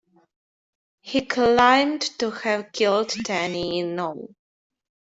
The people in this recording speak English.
He claimed to have killed ten in all.